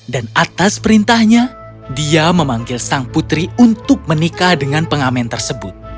dan atas perintahnya dia memanggil sang putri untuk menikah dengan pengamen tersebut